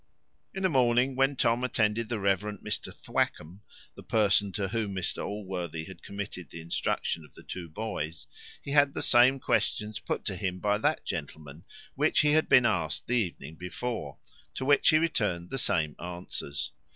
In the morning, when Tom attended the reverend Mr Thwackum, the person to whom Mr Allworthy had committed the instruction of the two boys, he had the same questions put to him by that gentleman which he had been asked the evening before, to which he returned the same answers.